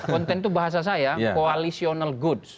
konten itu bahasa saya koalisional goods